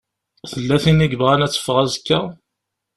Tella tin i yebɣan ad teffeɣ azekka?